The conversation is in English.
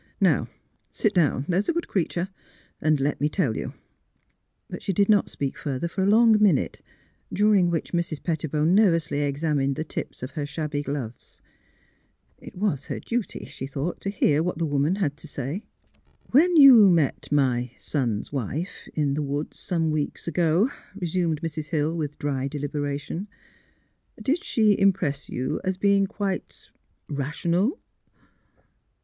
Now, sit down — there's a good creature, and let me tell you." But she did not speak further for a long minute, 152 THE HEART OF PHILURA during which Mrs. Pettibone nervously examined the tips of her shabby gloves. It was her duty, she thought, to hear what the woman had to say. '' When you met my — son's wife, in the woods some weeks ago," resumed Mrs. Hill, with dry deliberation, '' did she impress you as being quite —rational?